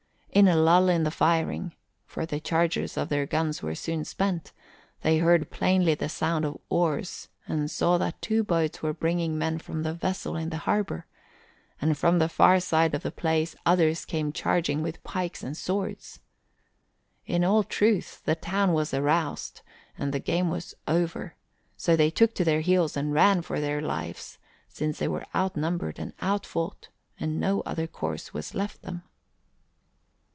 In a lull in the firing for the charges of their guns were soon spent they heard plainly the sound of oars and saw that two boats were bringing men from the vessel in the harbour, and from the far side of the place others came charging with pikes and swords. In all truth, the town was aroused and the game was over, so they took to their heels and ran for their lives, since they were outnumbered and outfought and no other course was left them.